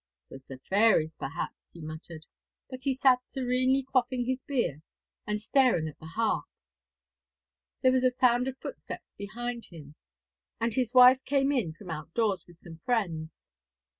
''Twas the fairies, perhaps,' he muttered, but sat serenely quaffing his beer, and staring at the harp. There was a sound of footsteps behind him, and his wife came in from out doors with some friends.